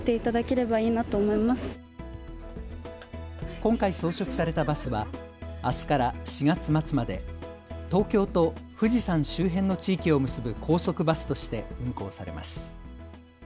今回装飾されたバスは、あすから４月末まで東京と富士山周辺の地域を結ぶ高速バスとして運行されます。